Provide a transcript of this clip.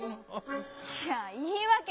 いやいいわけ